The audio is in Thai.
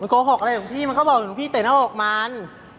โกหกอะไรหลวงพี่มันก็บอกหลวงพี่เตะหน้าอกมัน